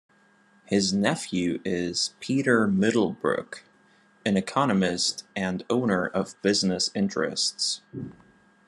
His nephew is Peter Middlebrook, an economist and owner of business interests.